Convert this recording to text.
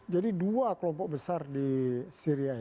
jadi dua kelompok besar di syria